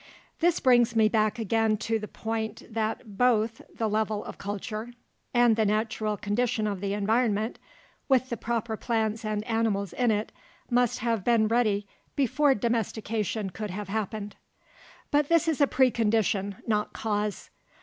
This brings me back again to the point that both the level of culture and the natural condition of the environment with the proper plants and animals in it must have been ready before domestication could have happened. But this is precondition, not cause.